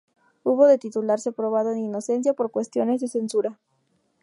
Hubo de titularse "Aprobado en inocencia" por cuestiones de censura.